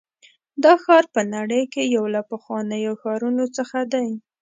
دا ښار په نړۍ کې یو له پخوانیو ښارونو څخه دی.